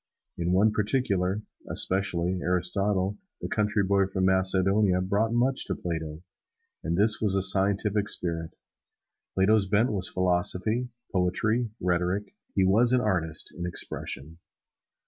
In one particular, especially, Aristotle, the country boy from Macedonia, brought much to Plato and this was the scientific spirit. Plato's bent was philosophy, poetry, rhetoric he was an artist in expression.